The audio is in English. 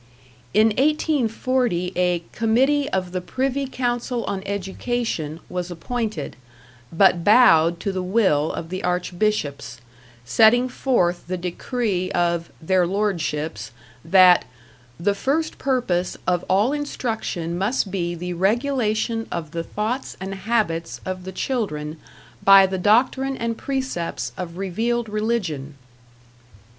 In 1840 a Committee of the Privy Council on Education was appointed, but bowed to the will of the Archbishops, setting forth the decree of "their lord ships" that "the first purpose of all instruction must be the regulation of the thoughts and habits of the children by the doctrine and precepts of revealed religion."